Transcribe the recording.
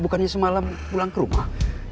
bukannya semalam pulang ke rumah